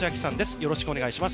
よろしくお願いします。